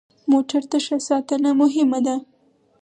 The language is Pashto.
موټر ته ښه ساتنه مهمه ده.